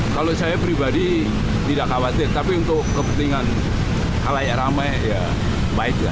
kalau saya pribadi tidak khawatir tapi untuk kepentingan halayak ramai ya baik lah